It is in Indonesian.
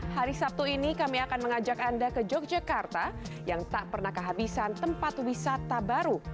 hari sabtu ini kami akan mengajak anda ke yogyakarta yang tak pernah kehabisan tempat wisata baru